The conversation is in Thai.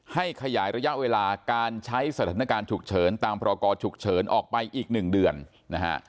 ขยายระยะเวลาการใช้สถานการณ์ฉุกเฉินตามพรกรฉุกเฉินออกไปอีก๑เดือนนะฮะ